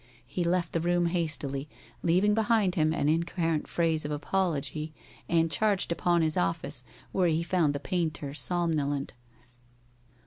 He left the room hastily, leaving behind him an incoherent phrase of apology, and charged upon his office, where he found the painter somnolent.